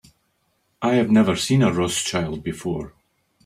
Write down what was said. I have never seen a Rothschild before.